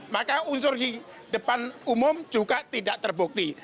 maka unsur di depan umum juga tidak terbukti